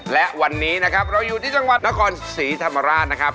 และวันนี้นะครับเราอยู่ที่จังหวัดนครศรีธรรมราชนะครับ